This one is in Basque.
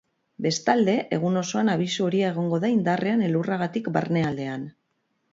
Bestalde, egun osoan abisu horia egongo da indarrean elurragatik barnealdean.